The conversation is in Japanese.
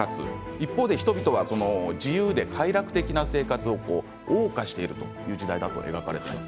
一方で人々は自由で快楽的な生活を、おう歌しているという時代が描かれています。